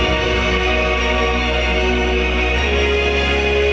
เมื่อเวลาอันดับสุดท้ายมันกลายเป้าหมายเป้าหมาย